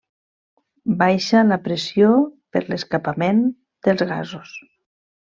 Baixa la pressió per l'escapament dels gasos.